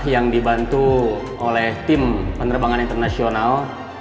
yang dibantu oleh tim penerbangan internasional